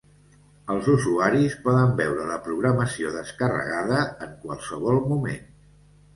Els usuaris poden veure la programació descarregada en qualsevol moment.